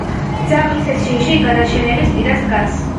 ძაღლის ეს ჯიში გადაშენების პირას დგას.